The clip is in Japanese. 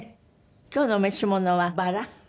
今日のお召し物はバラ？